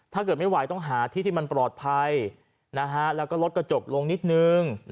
ถ้าเกิดไม่ไหวต้องหาที่ที่มันปลอดภัยแล้วก็ลดกระจกลงนิดนึง